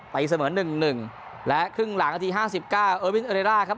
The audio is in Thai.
ตัยเสมอหนึ่งหนึ่งและครึ่งหลังนาทีห้าสิบเก้าเอิร์วินเอเลร่าครับ